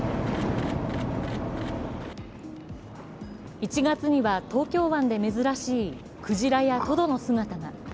１月には、東京湾で珍しいクジラやトドの姿が。